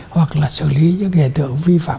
hoặc là xử lý những hiện tượng vi phạm